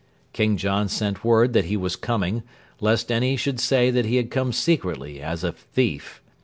King John sent word that he was coming, lest any should say that he had come secretly as a thief.